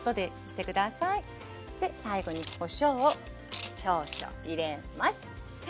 最後にこしょうを少々入れます。